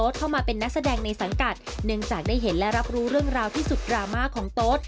ช่องดูดรับรู้เรื่องราวที่สุดรามาของโต๊ธ